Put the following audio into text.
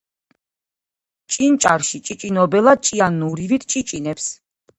ჭინჭარში ჭიჭინობელა ჭიანურივით ჭიჭინებს